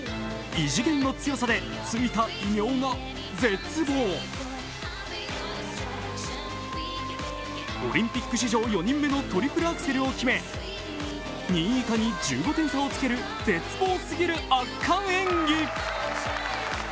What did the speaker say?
異次元の強さでついた異名が、絶望オリンピック史上４人目のトリプルアクセルを決め２位以下に１５点差をつける絶望すぎる圧巻演技。